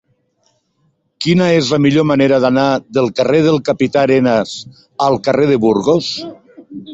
Quina és la millor manera d'anar del carrer del Capità Arenas al carrer de Burgos?